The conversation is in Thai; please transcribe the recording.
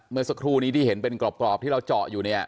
เมื่อสักครู่นี้ที่เห็นเป็นกรอบที่เราเจาะอยู่เนี่ย